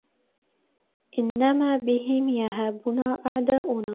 إنَّمَا بِهِمْ يَهَابُنَا أَعْدَاؤُنَا